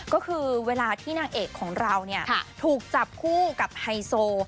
ก็คือเวลาที่นางเอกของเราถูกจับคู่กับไฮโซ